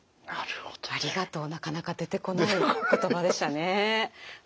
「ありがとう」なかなか出てこない言葉でしたね。